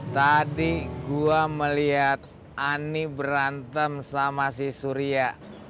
tadi gue melihat ani berantem sama si surya